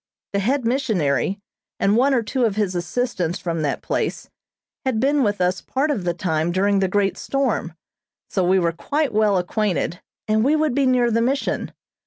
The head missionary, and one or two of his assistants from that place, had been with us part of the time during the great storm, so we were quite well acquainted, and we would be near the Mission.